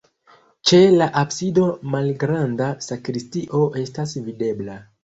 Ĉe la absido malgranda sakristio estas videbla.